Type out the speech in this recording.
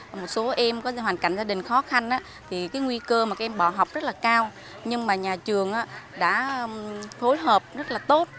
một số em có hoàn cảnh gia đình khó khăn nguy cơ bỏ học rất cao nhưng nhà trường đã phối hợp rất tốt